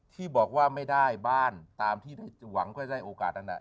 ที่บอกว่าไม่ได้บ้านตามที่ได้หวังก็จะได้โอกาสนั้น